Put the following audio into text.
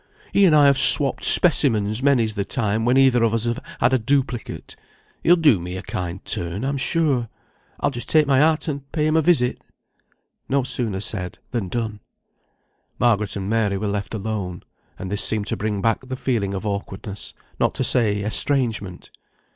He and I have swopped specimens many's the time, when either of us had a duplicate. He'll do me a kind turn, I'm sure. I'll just take my hat, and pay him a visit." No sooner said, than done. Margaret and Mary were left alone. And this seemed to bring back the feeling of awkwardness, not to say estrangement.